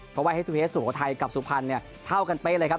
เพราะว่าเฮสตูเวสสุโขทัยกับสุพรรณเนี่ยเท่ากันเป๊ะเลยครับ